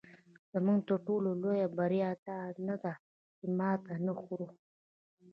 زموږ تر ټولو لویه بریا دا نه ده چې ماتې نه خورو.